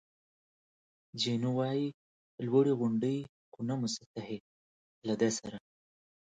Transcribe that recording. جینو: لوړې غونډۍ، خو نه مسطحې، له ده سره.